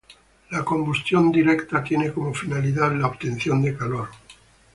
La combustión directa tiene como finalidad la obtención de calor.